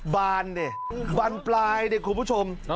บานบานปลายคุณผู้ชม